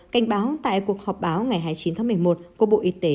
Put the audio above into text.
cảnh báo tại cuộc họp báo ngày hai mươi chín tháng một mươi một của bộ y tế